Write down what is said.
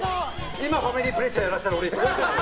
今、ファミリープレッシャーやらせたら俺、震えてるかも。